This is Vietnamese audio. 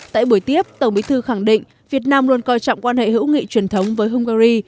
tại buổi tiếp tổng bí thư khẳng định việt nam luôn coi trọng quan hệ hữu nghị truyền thống với hungary